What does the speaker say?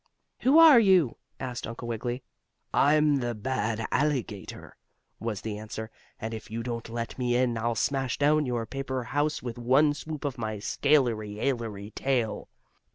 "Who are you?" asked Uncle Wiggily. "I'm the bad alligator," was the answer, "and if you don't let me in, I'll smash down your paper house with one swoop of my scalery ailery tail."